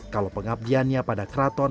kalau pengabdiannya pada keraton